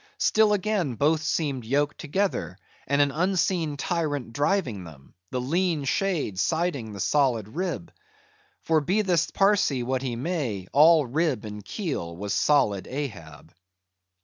Still again both seemed yoked together, and an unseen tyrant driving them; the lean shade siding the solid rib. For be this Parsee what he may, all rib and keel was solid Ahab.